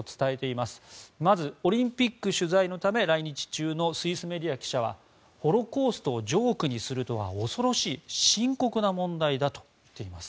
まず、オリンピック取材のため来日中のスイスメディアの記者はホロコーストをジョークにするとは恐ろしい、深刻な問題だと言っています。